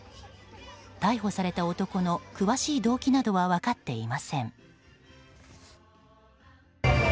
逮捕された男の詳しい動機などは分かっていません。